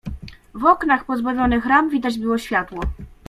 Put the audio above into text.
"W oknach pozbawionych ram widać było światło."